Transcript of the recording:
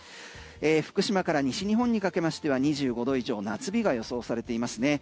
福島から西日本にかけましては２５度以上、夏日が予想されています。